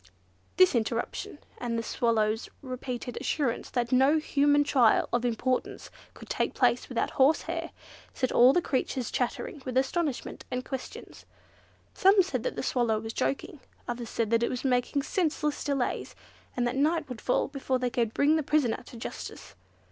This interruption, and the Swallow's repeated assurance that no human trial of importance could take place without horsehair, set all the creatures chattering with astonishment and questions. Some said the Swallow was joking; others said that it was making senseless delays, and that night would fall before they could bring the prisoner to justice.